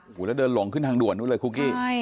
โอ๊คถ้าเดินลงขึ้นทางด่วนต้นเลยคุกกี้